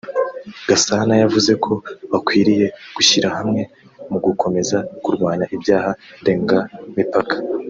Gasana yavuze ko bakwiriye gushyirahamwe mu gukomeza kurwanya ibyaha ndengamipaka